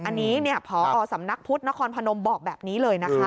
อันนี้พอสำนักพุทธนครพนมบอกแบบนี้เลยนะคะ